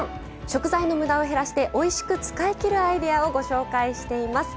食材のむだを減らしておいしく使いきるアイデアをご紹介しています。